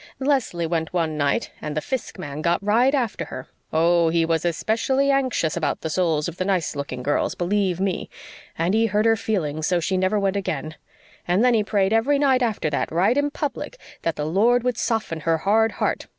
"Leslie went one night and the Fiske man got right after her oh, he was especially anxious about the souls of the nice looking girls, believe me! and he hurt her feelings so she never went again. And then he prayed every night after that, right in public, that the Lord would soften her hard heart.